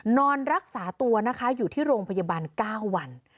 นอนรักษาตัวนะคะอยู่ที่โรงพยาบาล๙วัน